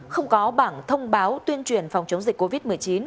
không có bảng thông báo tuyên truyền phòng chống dịch covid một mươi chín